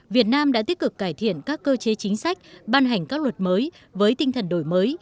việt nam đã tích cực cải thiện các cơ chế chính sách ban hành các luật mới với tinh thần đổi mới